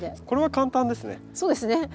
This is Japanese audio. これは簡単ですね。